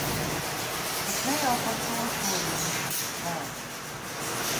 Bet ne jau par to šodien ir šis stāsts.